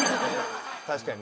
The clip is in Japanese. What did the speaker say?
確かにね。